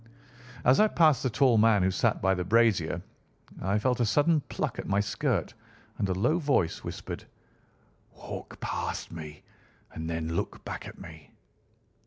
As I passed the tall man who sat by the brazier I felt a sudden pluck at my skirt, and a low voice whispered, "Walk past me, and then look back at me."